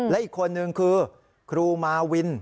และอีกคนนึงคือครูมาวิน